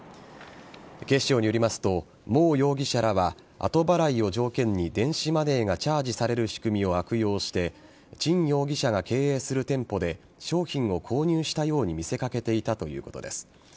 警視庁によりますとモウ容疑者らは後払いを条件に電子マネーがチャージされる仕組みを悪用してチン容疑者が経営する店舗で商品を購入したように見せかけていたということです。